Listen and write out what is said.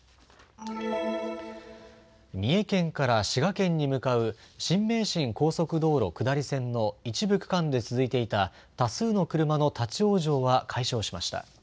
三重県から滋賀県に向かう新名神高速道路下り線の一部区間で続いていた多数の車の立往生は解消しました。